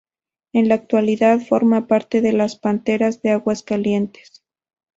En la actualidad forma parte de las Panteras de Aguascalientes.